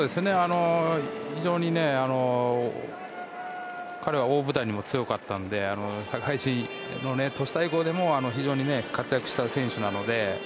非常に彼は大舞台にも強かったので社会人の都市対抗でも非常に活躍した選手なので。